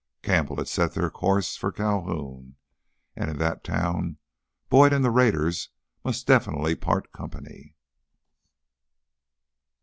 Campbell had set their course for Calhoun and in that town Boyd and the raiders must definitely part company.